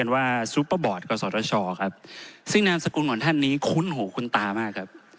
ว่าซูเปอร์บอร์ดกศชครับซึ่งนามสกุลของท่านนี้คุ้นหูคุ้นตามากครับ